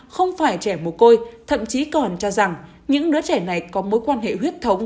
không phải trẻ mồ côi thậm chí còn cho rằng những đứa trẻ này có mối quan hệ huyết thống